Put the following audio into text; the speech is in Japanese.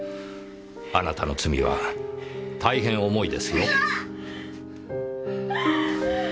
あなたの罪は大変重いですよ。